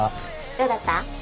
どうだった？